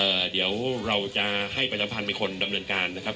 เดี๋ยวเราจะให้ประชาพันธ์เป็นคนดำเนินการนะครับ